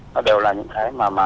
nó đều là những cái mà